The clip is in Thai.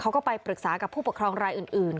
เขาก็ไปปรึกษากับผู้ปกครองรายอื่น